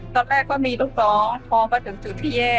ตอนแรกก็มีลูกน้องพอมาถึงจุดที่แย่